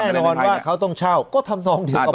แน่นอนว่าเขาต้องเช่าก็ทำทองที่บอร์ตทั่วไป